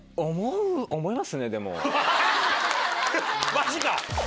マジか！